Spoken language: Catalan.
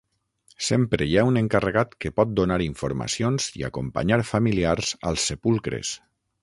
Sempre hi ha un encarregat que pot donar informacions i acompanyar familiars als sepulcres.